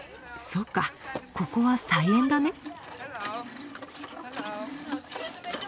そっかここは菜園だね。